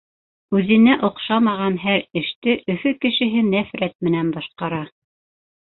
Үҙенә оҡшамаған һәр эште Өфө кешеһе нәфрәт менән башҡара.